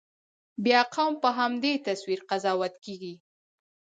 بیا قوم په همدې تصویر قضاوتېږي.